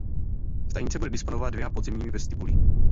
Stanice bude disponovat dvěma podzemními vestibuly.